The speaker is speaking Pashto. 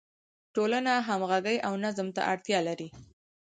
ټولنه همغږي او نظم ته اړتیا لري.